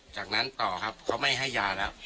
จากนั้นต่อครับเขาไม่ให้ยาแล้ว